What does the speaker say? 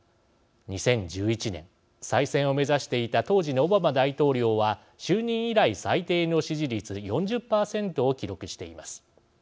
２０１１年、再選を目指していた当時のオバマ大統領は就任以来、最低の支持率４０％を記録しています。